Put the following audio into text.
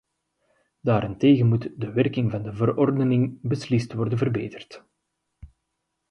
Daarentegen moet de werking van de verordening beslist worden verbeterd.